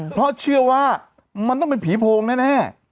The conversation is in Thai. เพราะเชื่อว่ามันต้องเป็นผีโพงแน่